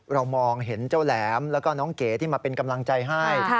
เรามองเห็นเจ้าแหลมแล้วก็น้องเก๋ที่มาเป็นกำลังใจให้